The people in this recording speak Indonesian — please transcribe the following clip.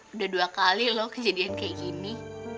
udah dua kali loh kejadian kayak gini